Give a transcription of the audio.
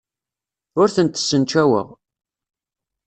Ur tent-ssencaweɣ.